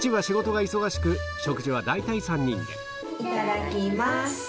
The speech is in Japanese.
大体いただきます。